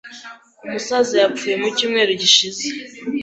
Umusaza yapfuye mu cyumweru gishize.